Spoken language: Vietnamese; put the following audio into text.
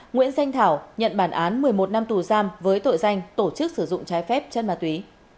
nguyễn danh thảo nhận bản án một mươi một năm tù giam với tội danh tổ chức sử dụng trái phép chất ma túy